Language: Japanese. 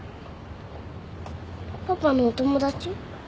パパのお友達？